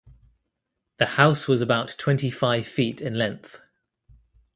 The house was about twenty-five feet in length.